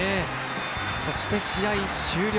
そして試合終了。